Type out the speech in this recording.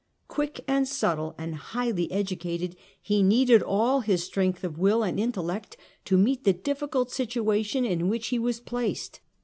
Quick, subtle, and highly educated, he needed all his strength of will and intellect to meet the difficult situation in which he was placed.